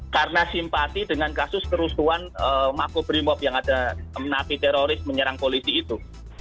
karena simpati dengan kasus kerusuhan makobrimob yang ada nafi teroris menyerang polisi itu